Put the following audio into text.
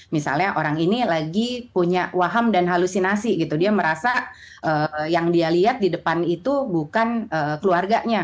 misalnya orang ini lagi punya waham dan halusinasi gitu dia merasa yang dia lihat di depan itu bukan keluarganya